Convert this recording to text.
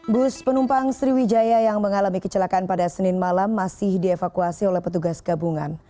bus penumpang sriwijaya yang mengalami kecelakaan pada senin malam masih dievakuasi oleh petugas gabungan